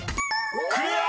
［クリア！］